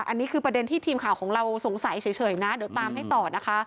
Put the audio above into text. อันนี้คือประเด็นที่ทีมข่าวของเราสงสัยเฉยนะเดี๋ยวตามให้ต่อนะคะ